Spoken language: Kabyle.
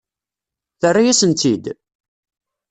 Terra-yasen-tt-id?